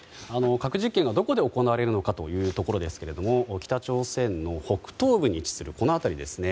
核実験がどこで行われるのかですが北朝鮮の北東部に位置するこの辺りですね。